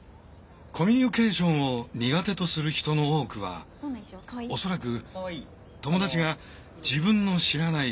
コミュニケーションを苦手とする人の多くは恐らく友達が自分の知らない